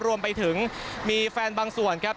รวมไปถึงมีแฟนบางส่วนครับ